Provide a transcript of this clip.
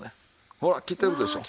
ほらきてるでしょう。